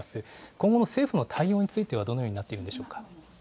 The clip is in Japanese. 今後の政府の対応についてはどのようになっているでしょうか。